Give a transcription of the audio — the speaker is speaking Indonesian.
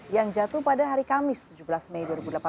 yang jatuh pada hari kamis tujuh belas mei dua ribu delapan belas